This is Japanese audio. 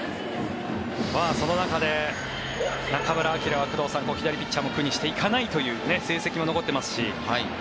その中で中村晃は左ピッチャーも苦にしていかないという成績も残っていますし。